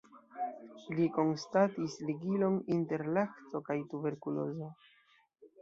Li konstatis ligilon inter lakto kaj tuberkulozo.